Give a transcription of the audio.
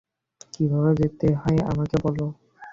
কীভাবে যেতে হয় আমাকে বল।